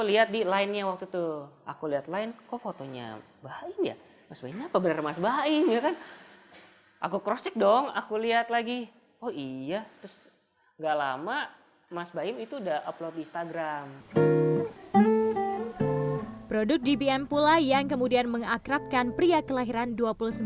ini juga yang saya ingin kasih tau